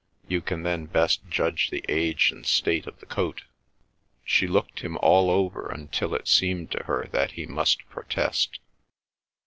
You can then best judge the age and state of the coat. She looked him all over until it seemed to her that he must protest.